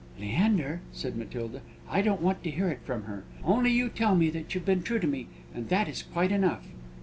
"Leander," said Matilda, "I don't want to hear it from her. Only you tell me that you've been true to me, and that is quite enough."